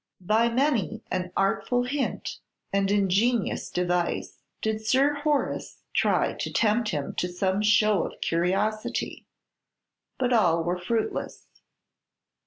By many an artful hint and ingenious device did Sir Horace try to tempt him to some show of curiosity; but all were fruitless.